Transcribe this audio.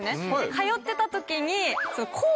通ってた時に。